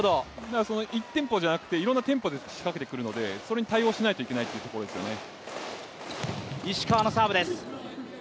１テンポじゃなくて、いろんなテンポで仕掛けてくるのでそれに対応しなければいけないというところですよね。